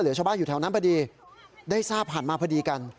ชาวบ้านอยู่แถวนั้นพอดีได้ทราบผ่านมาพอดีกัน